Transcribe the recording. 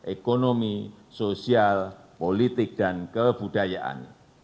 ekonomi sosial politik dan kebudayaan